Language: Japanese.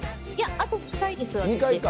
あと２回です。